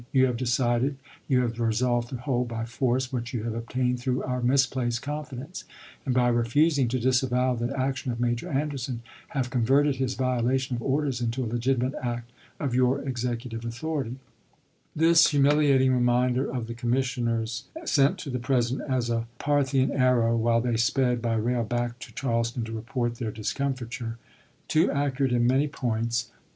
.. You have decided, you have resolved to hold by force, what you have obtained through our misplaced confidence ; and by refusing to disavow the action of Major Anderson, have converted his viola tion of orders into a legitimate act of your executive authority. This humiliating reminder the commissioners sent to the President as a Parthian arrow, while they sped by rail back to Charleston to report their discomfiture. Too accurate in many points, both Chap. VI. Commis sioners to Buchanan, Jan. 1, 1861. W. K. Vol. I., pp.